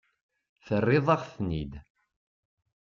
Terriḍ-aɣ-ten-id.